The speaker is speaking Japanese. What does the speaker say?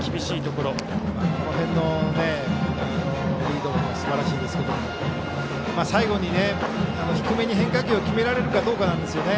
この辺のリードもすばらしいですけども最後に、低めに変化球を決められるかどうかなんですよね。